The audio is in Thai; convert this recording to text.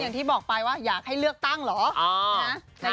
อย่างที่บอกไปว่าอยากให้เลือกตั้งเหรอนะเซงกรับท่าน